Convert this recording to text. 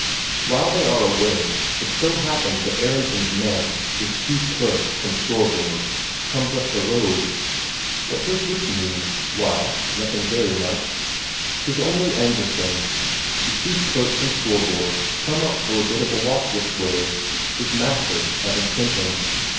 While they are away, it so happens that Aronsen's man, his chief clerk, from Storborg, comes up the road. What does this mean? Why, nothing very much, 'tis only Andresen, the chief clerk from Storborg, come up for a bit of a walk this way his master having sent him.